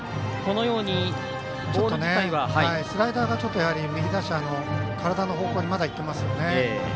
スライダーが右打者の体の方向にまだ行ってますね。